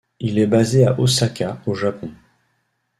Il est basé à Osaka, au Japon.